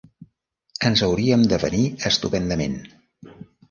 Ens hauríem d'avenir estupendament.